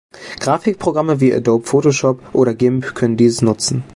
Grafik-Programme wie Adobe Photoshop oder Gimp können dies nutzen.